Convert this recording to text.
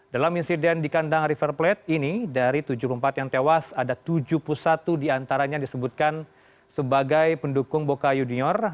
dalam insiden di kandang river plate ini dari tujuh puluh empat yang tewas ada tujuh puluh satu diantaranya disebutkan sebagai pendukung boca junior